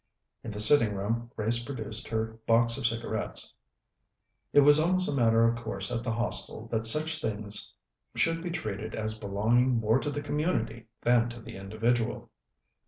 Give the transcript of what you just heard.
In the sitting room Grace produced her box of cigarettes. It was almost a matter of course at the Hostel that such things should be treated as belonging more to the community than to the individual.